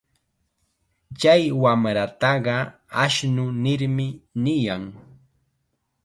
Chay wamrataqa ashnu nirmi niyan.